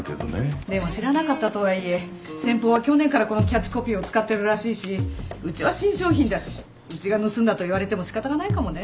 でも知らなかったとはいえ先方は去年からこのキャッチコピーを使ってるらしいしうちは新商品だしうちが盗んだと言われてもしかたがないかもね。